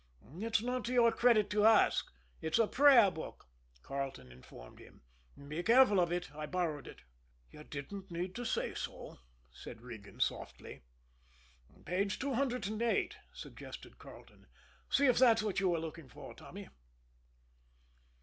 "It's not to your credit to ask it's a prayer book," Carleton informed him. "Be careful of it I borrowed it." "You didn't need to say so," said Regan softly. "Page two hundred and eight," suggested Carleton. "See if that's what you were looking for, Tommy."